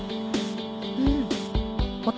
うん。